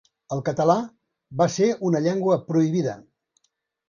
El català va ser una llengua prohibida.